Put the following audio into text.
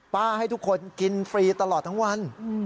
ให้ทุกคนกินฟรีตลอดทั้งวัน